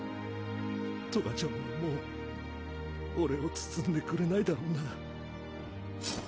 トガちゃんはもう俺を包んでくれないだろうな。